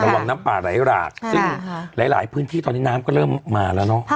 หวังน้ำป่าไหลหลากซึ่งหลายพื้นที่ตอนนี้น้ำก็เริ่มมาแล้วเนอะ